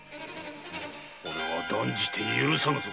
俺は断じて許さぬぞ。